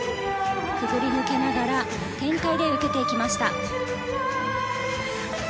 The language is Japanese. くぐり抜けながら転回で受けていきました。